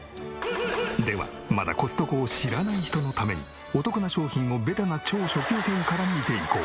ではまだコストコを知らない人のためにお得な商品をベタな超初級編から見ていこう。